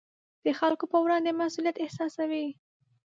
د خلکو پر وړاندې مسوولیت احساسوي.